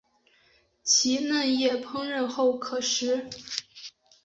其嫩叶烹饪后可食。